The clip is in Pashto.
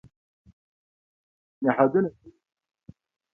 څو ځله پېشنهادونه شوي دي.